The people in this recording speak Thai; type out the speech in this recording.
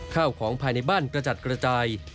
ข้าวของภายในบ้านกระจัดกระจาย